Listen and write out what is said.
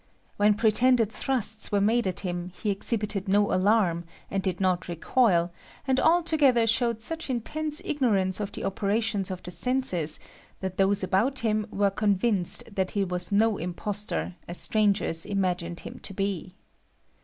When pretended thrusts were made at him he exhibited no alarm, and did not recoil, and altogether showed such intense ignorance of the operations of the senses that those about him were convinced that he was no impostor, as strangers imagined him to be.